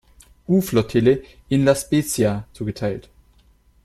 U-Flottille in La Spezia zugeteilt.